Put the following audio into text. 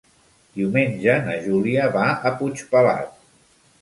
Diumenge na Júlia va a Puigpelat.